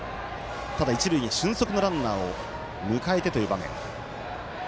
ただ、一塁に俊足のランナーを迎えてという場面。